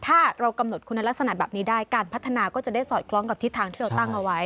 ถ้าเรากำหนดคุณลักษณะแบบนี้ได้การพัฒนาก็จะได้สอดคล้องกับทิศทางที่เราตั้งเอาไว้